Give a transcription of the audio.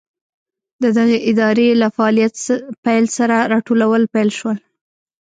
د دغې ادارې له فعالیت پیل سره راټولول پیل شول.